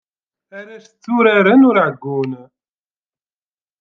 Arrac, tturaren ur ɛeyyun.